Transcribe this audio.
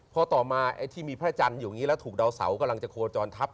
พอต่อมาไอ้ที่มีพระจันทร์อยู่อย่างนี้แล้วถูกดาวเสากำลังจะโคจรทับ